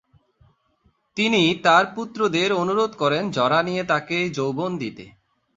তিনি তার পুত্রদের অনুরোধ করেন জরা নিয়ে তাকে যৌবন দিতে।